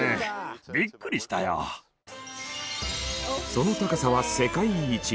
その高さは世界一！